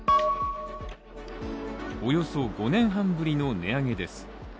およそ５年半ぶりの値上げです。